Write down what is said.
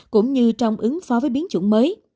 cũng như trong ứng phó với biến chủng mới